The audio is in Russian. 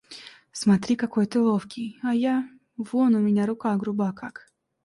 Смотри, какой ты ловкий, а я — вон у меня рука груба как.